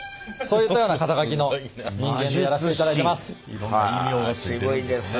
いろんな異名が付いてるんですね。